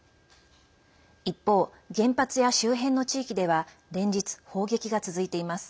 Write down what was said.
一方、原発や周辺の地域では連日、砲撃が続いています。